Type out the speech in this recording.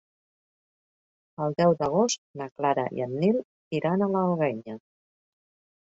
El deu d'agost na Clara i en Nil iran a l'Alguenya.